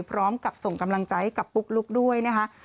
พร้อมกับส่งกำลังใจให้กับปุ๊กลุ๊กด้วยนะคะ